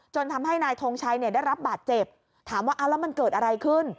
จนทำให้นายทงชัยได้รับบาดเจ็บถามว่ามันเกิดอะไรขึ้น